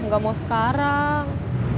gak mau sekarang